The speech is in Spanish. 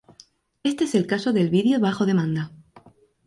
Este es el caso del vídeo bajo demanda.